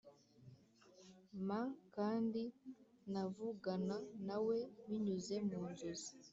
m kandi navugana na we binyuze mu nzozi